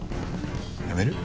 やめる？